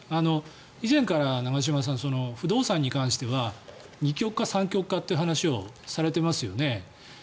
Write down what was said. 以前から長嶋さん不動産に関しては二極化、三極化という話をされていますよね。